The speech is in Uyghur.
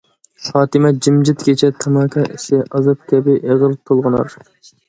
خاتىمە جىمجىت كېچە، تاماكا ئىسى، ئازاب كەبى ئېغىر تولغىنار.